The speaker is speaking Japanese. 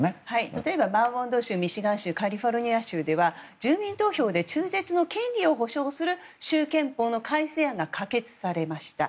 例えばバーモント州、ミシガン州カリフォルニア州では住民投票で中絶の権利を保障する州憲法の改正案が可決されました。